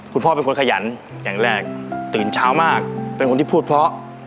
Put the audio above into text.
คุณพ่อเป็นคนขยันอย่างแรกตื่นเช้ามากเป็นคนที่พูดเพราะ